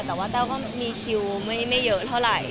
แต่เต้าก็มีคิวไม่เยอะเท่าไร